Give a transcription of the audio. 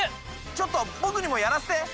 ちょっと僕にもやらせて！